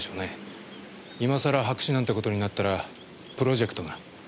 今さら白紙なんてことになったらプロジェクトが。